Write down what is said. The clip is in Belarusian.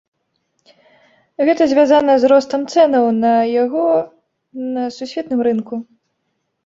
Гэта звязана з ростам цэнаў на яго на сусветным рынку.